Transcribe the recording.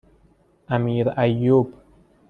امیرایوب